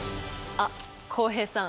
あっ浩平さん。